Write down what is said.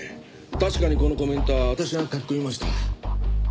確かにこのコメントは私が書き込みました。